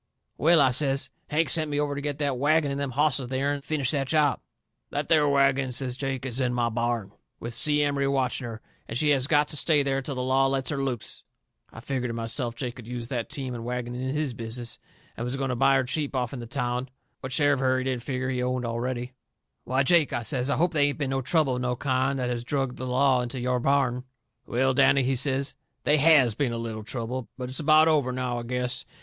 "Well," I says, "Hank sent me over to get that wagon and them hosses of theirn and finish that job." "That there wagon," says Jake, "is in my barn, with Si Emery watching her, and she has got to stay there till the law lets her loose." I figgered to myself Jake could use that team and wagon in his business, and was going to buy her cheap offn the town, what share of her he didn't figger he owned already. "Why, Jake," I says, "I hope they ain't been no trouble of no kind that has drug the law into your barn!" "Well, Danny," he says, "they HAS been a little trouble. But it's about over, now, I guess.